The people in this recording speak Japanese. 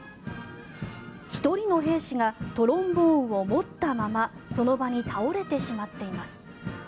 １人の兵士がトロンボーンを持ったままその場に倒れてしまっています。